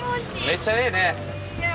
めっちゃええね。